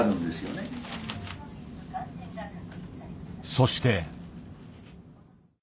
そして。